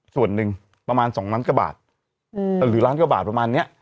ส่วนหนึ่งประมาณ๒ล้านกว่าบาทหรือล้านกว่าบาทประมาณนี้